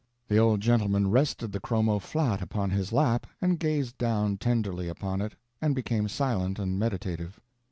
The old gentleman rested the chromo flat upon his lap and gazed down tenderly upon it, and became silent and meditative.